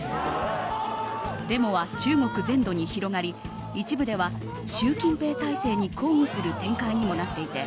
デモは中国全土に広がり一部では習近平体制に抗議する展開にもなっていて